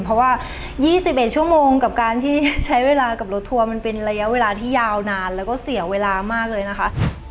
เพราะว่า๒๑ชั่วโมงกับการที่ใช้เวลากับรถทัวร์มันเป็นระยะเวลาที่ยาวนานแล้วก็เสียเวลามากเลยนะคะ